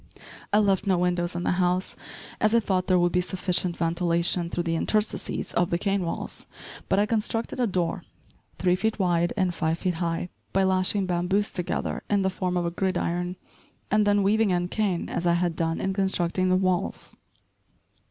I left no windows in the house, as I thought there would be sufficient ventilation through the interstices of the cane walls, but I constructed a door three feet wide and five feet high, by lashing bamboos together in the form of a gridiron, and then weaving in cane as I had done in constructing the walls.